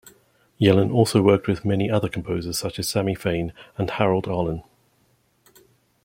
Yellen also worked with many other composers such as Sammy Fain and Harold Arlen.